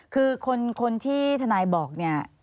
คือคนที่ทนายบอกเนี่ย